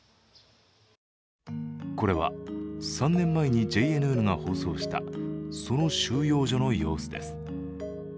これは３年前にＪＮＮが放送したその収容所の様子です。